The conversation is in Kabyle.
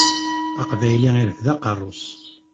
Aqbayli irfed aqerru-s.